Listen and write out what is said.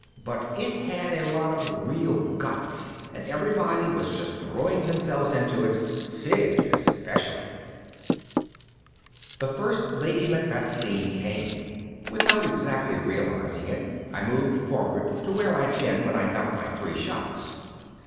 But it had a lot of real guts and everybody was just throwing themselves into it, Sid especially. The first Lady Macbeth scene came. Without exactly realizing it I moved forward to where I'd been when I got my three shocks.